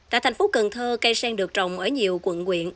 tại thành phố cần thơ cây sen được trồng ở nhiều quận quyện